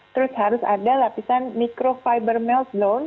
terus harus ada lapisan microfiber meltdown